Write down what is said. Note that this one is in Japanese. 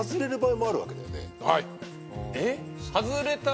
はい。